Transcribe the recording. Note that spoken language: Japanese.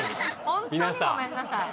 ホントにごめんなさい。